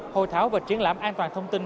hội thảo và triển lãm an toàn thông tin